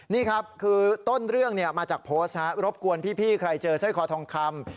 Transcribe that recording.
นี่ครับคือต้นเรื่องมาจากโพสต์รบกวนพี่ใครเจอสร้อยคอทองคำ